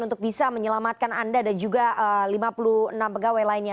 untuk bisa menyelamatkan anda dan juga lima puluh enam pegawai lainnya